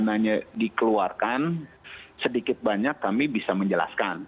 kalau misalnya dikeluarkan sedikit banyak kami bisa menjelaskan